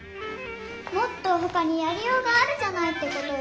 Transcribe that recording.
もっとほかにやりようがあるじゃないってことよ。